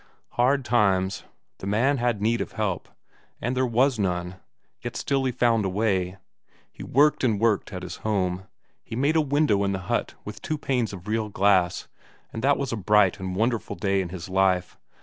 Hard times the man had need of help, and there was none, yet still he found a way. He worked and worked at his home; he made a window in the hut with two panes of real glass, and that was a bright and wonderful day in his life.